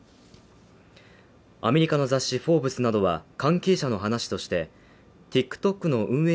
アメリカの雑誌「フォーブス」などは関係者の話として、ＴｉｋＴｏｋの運営